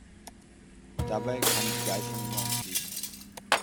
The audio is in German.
Dabei kamen die Geiselnehmer ums Leben.